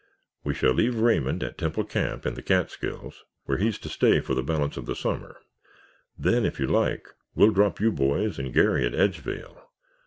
We shall leave Raymond at Temple Camp, in the Catskills, where he's to stay for the balance of the summer. Then, if you like, we'll drop you boys and Garry at Edgevale.